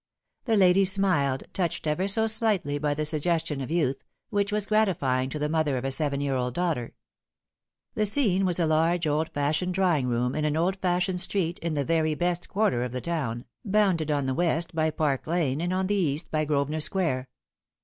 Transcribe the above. The lady smiled, touched ever so slightly by the suggestion of youth, which was gratifying to the mother of a seven year old daughter. The scene was a large old fashioned drawing room, in an old fashioned street in the very best quarter of the town, bounded on the west by Park Lane and on the east by Groa 8 Th Fatal Thrm. venor Square.